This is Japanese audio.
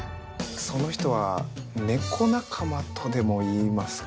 その人は猫仲間とでも言いますか。